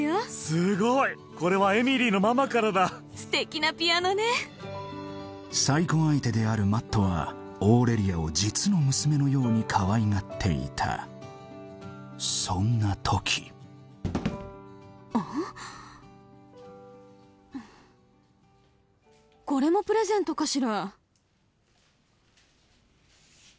すごいこれはエミリーのママからだ素敵なピアノね再婚相手であるマットはオーレリアを実の娘のようにかわいがっていたそんな時これもプレゼントかしら？